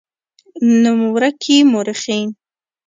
نومورکي مؤرخين